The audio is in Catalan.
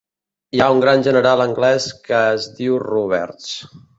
Hi ha un gran general anglès que es diu Roberts.